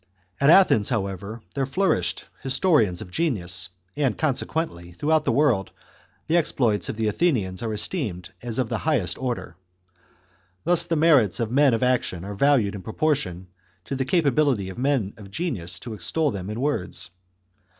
At Athens, however, there flourished historians of genius, and, consequently, throughout the world the exploits of the Athenians are esteemed as of the highest order. Thus the merits of men of action are valued in proportion to the capabilities of men of genius to extol them in words.